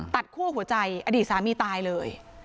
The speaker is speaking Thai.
คั่วหัวใจอดีตสามีตายเลย